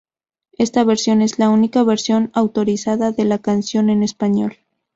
Esta versión es la única versión autorizada de la canción en español.